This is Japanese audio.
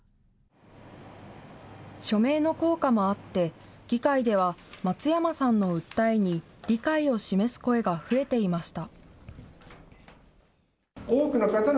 署名の効果もあって、議会では松山さんの訴えに理解を示す声が増えていました。